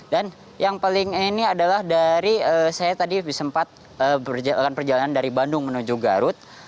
dan yang paling ini adalah dari saya tadi sempat berjalan perjalanan dari bandung menuju garut